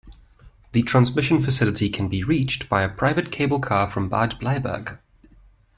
The transmission facility can be reached by a private cable car from Bad Bleiberg.